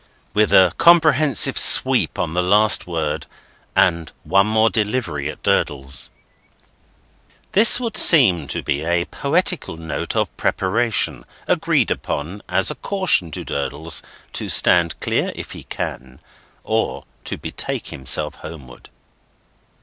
—with a comprehensive sweep on the last word, and one more delivery at Durdles. This would seem to be a poetical note of preparation, agreed upon, as a caution to Durdles to stand clear if he can, or to betake himself homeward.